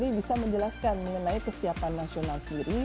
ini bisa menjelaskan mengenai kesiapan nasional sendiri